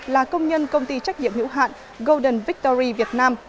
là công nhân công ty trách nhiệm hữu hạn golden victory việt nam